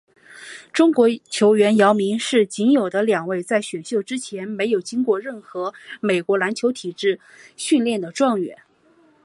中国球员姚明是仅有的两位在选秀之前没有经历过任何美国篮球体系训练的状元。